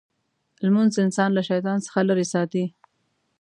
لمونځ انسان له شیطان څخه لرې ساتي.